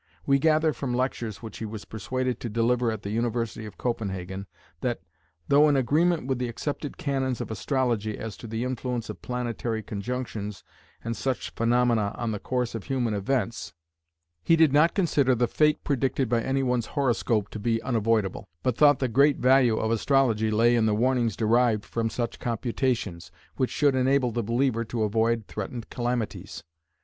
We gather from lectures which he was persuaded to deliver at the University of Copenhagen that, though in agreement with the accepted canons of astrology as to the influence of planetary conjunctions and such phenomena on the course of human events, he did not consider the fate predicted by anyone's horoscope to be unavoidable, but thought the great value of astrology lay in the warnings derived from such computations, which should enable the believer to avoid threatened calamities.